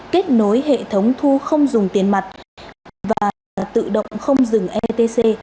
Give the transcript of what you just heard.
kết nối hệ thống thu không dùng tiền mặt và tự động không dừng etc